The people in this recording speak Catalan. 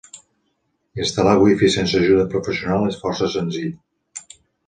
Instal·lar wifi sense ajuda professional és força senzill.